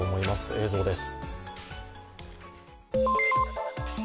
映像です。